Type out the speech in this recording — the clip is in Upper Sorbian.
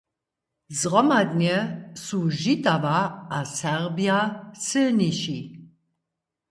Zhromadnje su Žitawa a Serbja sylniši.